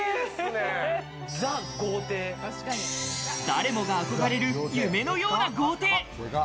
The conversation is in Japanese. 誰もが憧れる夢のような豪邸。